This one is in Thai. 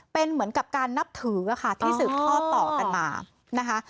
เป็นเหมือนกับการนับถือค่ะที่สืบทอดต่อกันมานะคะ